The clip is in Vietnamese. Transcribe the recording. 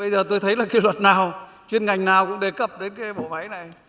bây giờ tôi thấy là cái luật nào chuyên ngành nào cũng đề cập đến cái bộ máy này